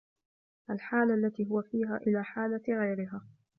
الْحَالَةِ الَّتِي هُوَ فِيهَا إلَى حَالَةٍ غَيْرِهَا